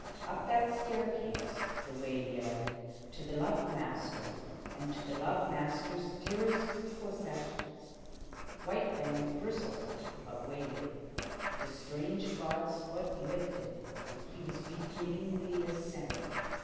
Up that staircase the way led to the love master and to the love master's dearest possessions. White Fang bristled, but waited. The strange god's foot lifted. He was beginning the ascent.